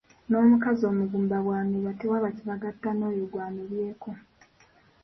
N’omukazi omugumba bw’anoba tewaba kibagatta n’oyo gw’anobyeko.